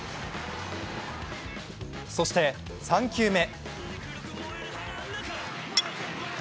そして３球目。